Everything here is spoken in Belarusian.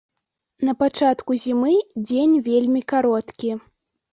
На пачатку зімы дзень вельмі кароткі.